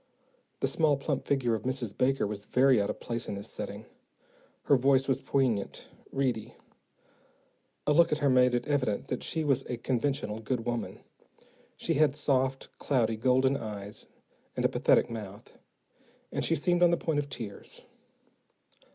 The small, plump figure of Mrs. Baker was very out of place in this setting. Her voice was poignant, reedy. A look at her made it evident that she was a conventional, good woman. She had soft, cloudy golden eyes and a pathetic mouth, and she seemed on the point of tears.